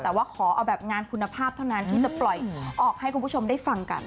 แต่ว่าขอเอาแบบงานคุณภาพเท่านั้นที่จะปล่อยออกให้คุณผู้ชมได้ฟังกัน